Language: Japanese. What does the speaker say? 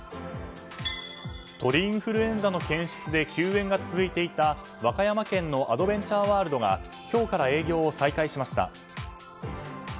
鳥インフルエンザの検出で休園が続いていた和歌山県のアドベンチャーワールドが今日から営業を再開しました。